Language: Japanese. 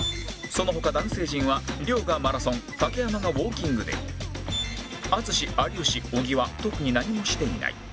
その他男性陣は亮がマラソン竹山がウォーキングで淳有吉小木は特に何もしていない